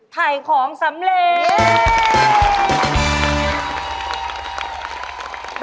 ถ่ายของสำเร็จ